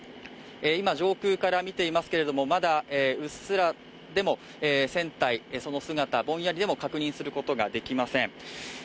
今上空から見ていますけれどもまだうっすらでも、船体、その姿ぼんやりでも確認することができません。